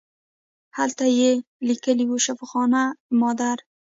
هلته یې لیکلي وو شفاخانه مادر.